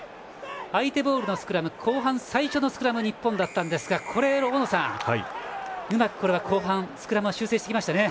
相手ボールのスクラム後半最初のスクラム日本でしたが、大野さんうまくここで後半スクラムは修正してきましたね。